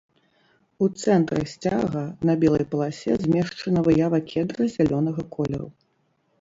У цэнтры сцяга на белай паласе змешчана выява кедра зялёнага колеру.